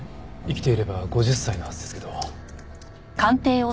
生きていれば５０歳のはずですけど。